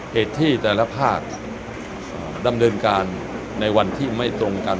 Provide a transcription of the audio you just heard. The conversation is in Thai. เหตุที่แต่ละภาคดำเนินการในวันที่ไม่ตรงกัน